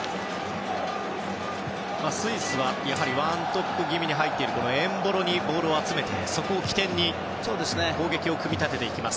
スイスはやはり１トップ気味に入っているエンボロにボールを集めてそこを起点に攻撃を組み立てています。